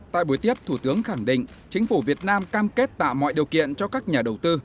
tại buổi tiếp thủ tướng khẳng định chính phủ việt nam cam kết tạo mọi điều kiện cho các nhà đầu tư